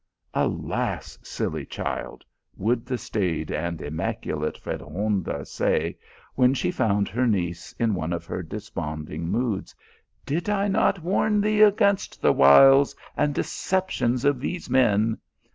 "Alas, silly child !" would the staid and immacu late Freclegonda say, when she found her niece in one of her desponding moods, " did I not warn thee against the wiles and deceptions of these men